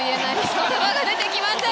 言葉が出てきません。